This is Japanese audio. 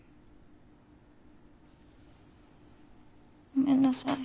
ごめんなさい。